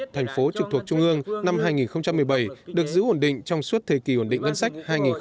thành phố trực thuộc trung ương năm hai nghìn một mươi bảy được giữ ổn định trong suốt thời kỳ ổn định ngân sách hai nghìn một mươi bảy hai nghìn hai mươi